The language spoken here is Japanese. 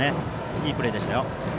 いいプレーでした。